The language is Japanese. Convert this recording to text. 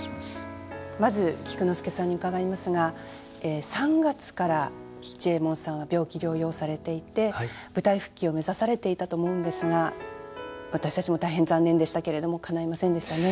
まず菊之助さんに伺いますが３月から吉右衛門さんは病気療養されていて舞台復帰を目指されていたと思うんですが私たちも大変残念でしたけれどもかないませんでしたね。